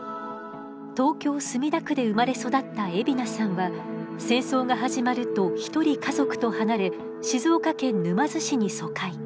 東京・墨田区で生まれ育った海老名さんは戦争が始まると一人家族と離れ静岡県沼津市に疎開。